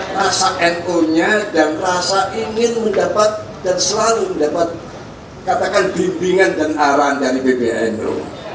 rasa nu nya dan rasa ingin mendapat dan selalu mendapat katakan bimbingan dan arahan dari pbnu